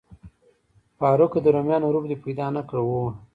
فاروق، د روميانو رب دې پیدا نه کړ؟ هو.